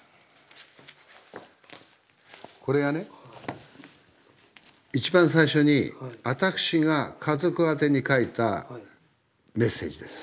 これがね一番最初に私が家族宛てに書いたメッセージです。